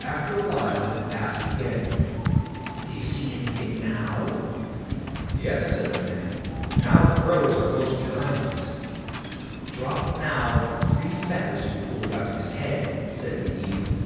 After a while it asked again: "Do you see anything now?" "Yes", said the man; "now the crows are close behind us." "Drop now the three feathers you pulled out of his head, said the Eagle.